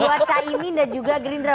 buat caimin dan juga gerindra